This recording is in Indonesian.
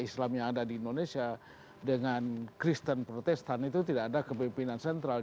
islam yang ada di indonesia dengan kristen protestan itu tidak ada kepimpinan sentral